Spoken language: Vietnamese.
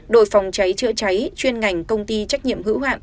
đội phòng cháy chưa cháy chuyên ngành công ty trách nhiệm hữu hoạn